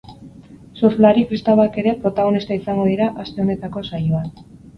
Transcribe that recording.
Surflari kristauak ere protagonista izango dira aste honetako saioan.